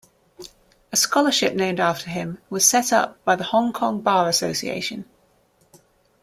A scholarship named after him was set up by the Hong Kong Bar Association.